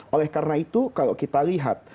oleh karena itu kalau kita lihat